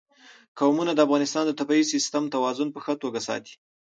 قومونه د افغانستان د طبعي سیسټم توازن په ښه توګه ساتي.